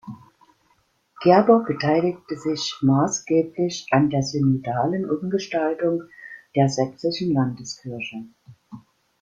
Gerber beteiligte sich maßgeblich an der synodalen Umgestaltung der sächsischen Landeskirche.